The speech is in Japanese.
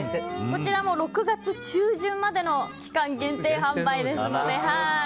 こちらも６月中旬までの期間限定販売です。